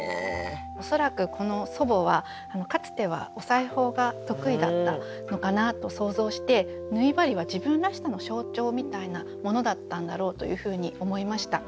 恐らくこの祖母はかつてはお裁縫が得意だったのかなと想像して縫い針は自分らしさの象徴みたいなものだったんだろうというふうに思いました。